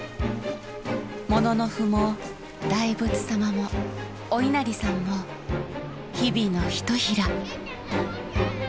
もののふも大仏さまもお稲荷さんも日々のひとひら。